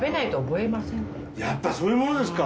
やっぱそういうものですか。